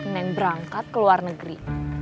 neng berangkat ke luar negeri